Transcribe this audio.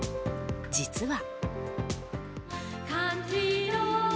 実は。